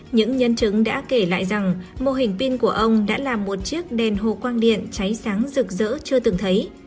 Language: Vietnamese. những nhân chứng đã kể lại rằng mô hình pin của ông đã làm một chiếc đèn hồ quang điện cháy sáng rực rỡ chưa từng thấy